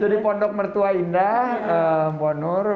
jadi pondok mertua indah mpok nur